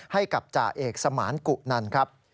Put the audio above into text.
ให้กับจ่าเอกสมานกุนันครับ